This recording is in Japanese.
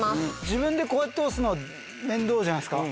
自分でこうやって押すのは面倒じゃないですか。